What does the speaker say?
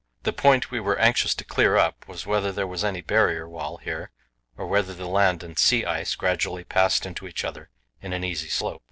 The point we were anxious to clear up was whether there was any Barrier wall here, or whether the land and sea ice gradually passed into each other in an easy slope.